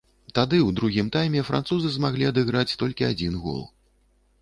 Тады ў другім тайме французы змаглі адыграць толькі адзін гол.